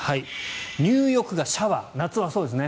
入浴がシャワー夏はそうですね。